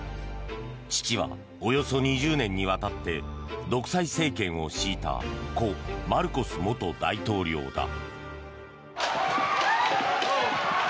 父はおよそ２０年にわたって独裁政権を敷いた故・マルコス元大統領だ。